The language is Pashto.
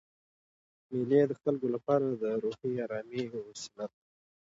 مېلې د خلکو له پاره د روحي آرامۍ یوه وسیله ده.